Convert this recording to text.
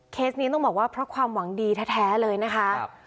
นี้ต้องบอกว่าเพราะความหวังดีแท้เลยนะคะ